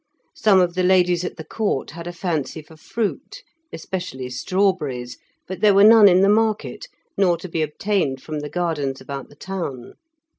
Some of the ladies at the Court had a fancy for fruit, especially strawberries, but there were none in the market, nor to be obtained from the gardens about the town.